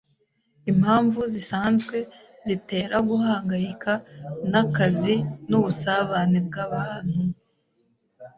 Impamvu zisanzwe zitera guhangayika nakazi nubusabane bwabantu.